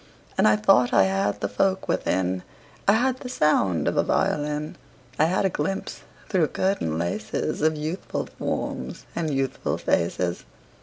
And I thought I had the folk within: I had the sound of a violin; I had a glimpse through curtain laces Of youthful forms and youthful faces.